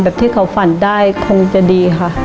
ที่เขาฝันได้คงจะดีค่ะ